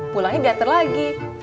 pulangnya diantar lagi